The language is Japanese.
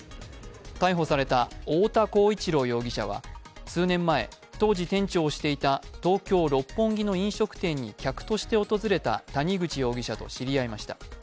逮捕された太田浩一朗容疑者は数年前、当時店長をしていた東京・六本木の飲食店に客として訪れた谷口容疑者と知り合いました。